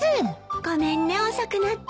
ごめんね遅くなって。